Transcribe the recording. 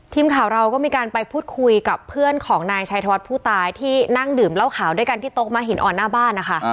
ทีมข่าวเราก็มีการไปพูดคุยกับเพื่อนของนายชัยธวัฒน์ผู้ตายที่นั่งดื่มเหล้าขาวด้วยกันที่โต๊ะม้าหินอ่อนหน้าบ้านนะคะ